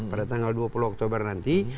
pada tanggal dua puluh oktober nanti